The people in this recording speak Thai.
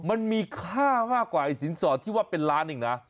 มันมีค่ามากกว่าไอ้สินสอดที่ว่าเป็นล้านอีกนะ